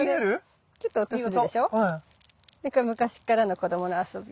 これ昔っからの子どもの遊び。